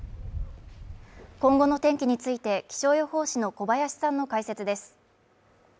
今後の天気について、気象予報士の小林さんの解説です。